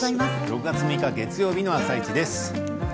６月６日月曜日の「あさイチ」です。